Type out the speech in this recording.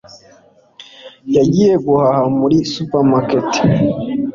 Yagiye guhaha muri supermarket.